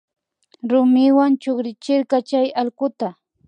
Rumiwa chukrichirka chay allkuta